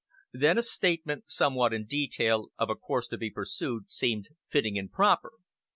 Then a statement, somewhat in detail, of a course to be pursued, seemed fitting and proper.